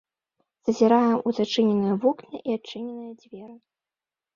Зазіраем у зачыненыя вокны і адчыненыя дзверы.